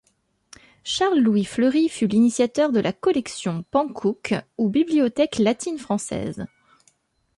Charles-Louis-Fleury fut l'initiateur de la collection Panckoucke ou Bibliothèque latine-française.